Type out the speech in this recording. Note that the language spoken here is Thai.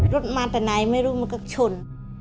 รถมาแต่ไหนไม่รู้มันก็ชน